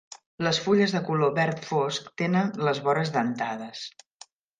Les fulles de color verd fosc tenen les vores dentades.